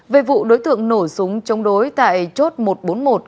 về vụ đối tượng nổ súng chống đối tại chốt một trăm bốn mươi một